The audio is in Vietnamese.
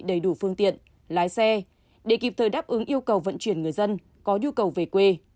đầy đủ phương tiện lái xe để kịp thời đáp ứng yêu cầu vận chuyển người dân có nhu cầu về quê